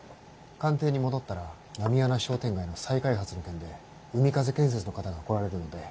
官邸に戻ったら狸穴商店街の再開発の件で海風建設の方が来られるので。